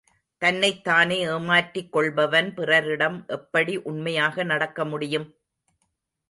தன்னைத் தானே ஏமாற்றிக் கொள்பவன் பிறரிடம் எப்படி உண்மையாக நடக்க முடியும்?